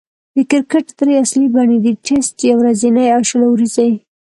د کرکټ درې اصلي بڼې دي: ټېسټ، يو ورځنۍ، او شل اووريز.